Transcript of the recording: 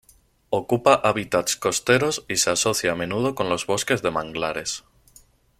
Ocupa hábitats costeros y se asocia a menudo con los bosques de manglares.